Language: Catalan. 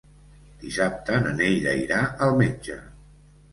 Dissabte na Neida irà al metge.